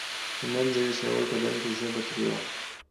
له منځه يوسې اول قدم کې ژبه ترې واخلئ.